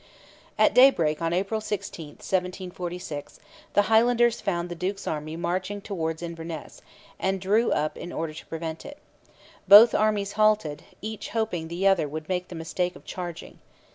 At daybreak on April 16, 1746, the Highlanders found the duke's army marching towards Inverness, and drew up in order to prevent it. Both armies halted, each hoping the other would make the mistake of charging.